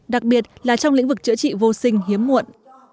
đặc biệt là trong lĩnh vực chữa trị vô sinh hiếm muộn